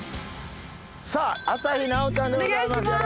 さぁ朝日奈央さんでございます